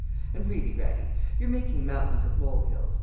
and really, Radie, you're making mountains of mole hills.